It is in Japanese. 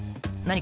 何？